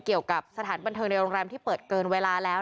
เกี่ยวกับสถานบันเทิงในโรงแรมที่เปิดเกินเวลาแล้ว